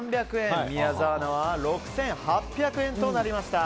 宮澤アナは６８００円となりました。